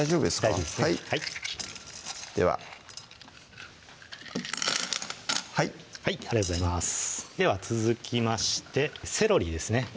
大丈夫ですねでははいありがとうございますでは続きましてセロリですね